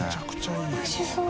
おいしそう。